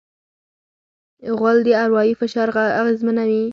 غول د اروایي فشار اغېزمنوي.